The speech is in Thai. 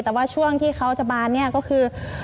แต่ว่าช่วงที่เขาจะบานเนี่ยก็คือ